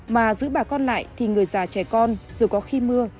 mà giữ bà con lại thì người già trẻ con dù có khi mưa